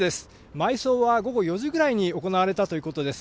埋葬は午後４時ぐらいに行われたということです。